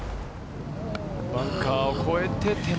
バンカーを越えて手前。